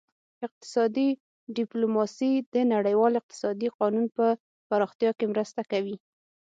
اقتصادي ډیپلوماسي د نړیوال اقتصادي قانون په پراختیا کې مرسته کوي